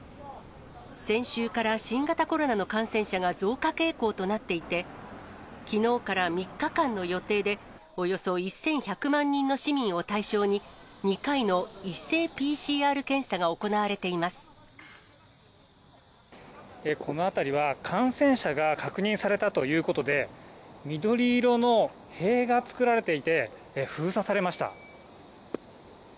先週から新型コロナの感染者が増加傾向となっていて、きのうから３日間の予定で、およそ１１００万人の市民を対象に、２回の一斉ＰＣＲ検査が行わこの辺りは、感染者が確認されたということで、緑色の塀が作られていて、封鎖されました。